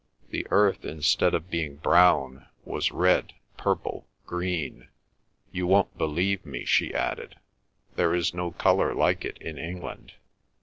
The earth, instead of being brown, was red, purple, green. "You won't believe me," she added, "there is no colour like it in England."